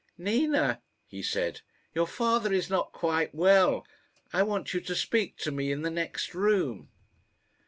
"Nina," he said, "your father is not quite well. I want you to speak to me in the next room."